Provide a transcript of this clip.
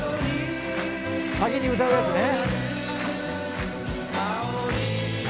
「先に歌うやつね」